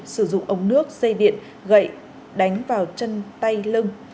sử dụng ống nước dây điện gậy đánh vào chân tay lưng